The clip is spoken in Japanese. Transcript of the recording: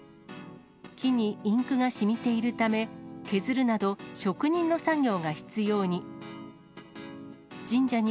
木にインクが染みているため、削るなど、職人の作業が必要に。